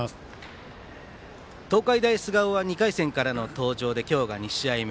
東海大菅生は２回戦からの登場で今日が２試合目。